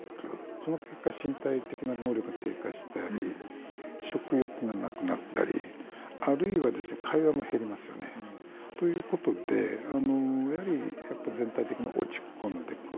その結果身体的な能力が低下したり食欲がなくなったりあるいは、会話も減りますよね。ということでやはり全体的に落ち込んでいく。